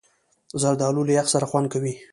زردالو له یخ سره خوند کوي.